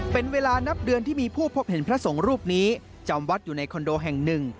เป็นเวลานับเดือนที่มีผู้พบเห็นพระสงฆ์รูปนี้จำวัดอยู่ในคอนโดแห่งหนึ่ง